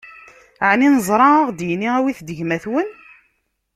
Ɛni neẓra ad ɣ-id-yini: Awit-d gma-twen?